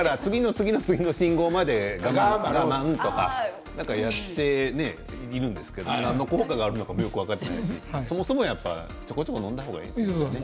次の信号まで我慢とかやっているんですけど効果があるかどうかも分かっていませんしちょこちょこ飲んだ方がいいですね。